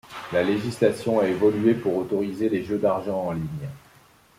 La législation a évolué pour autoriser les jeux d'argent en ligne.